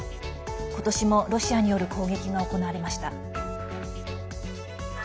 今年も、ロシアによる攻撃が行われました。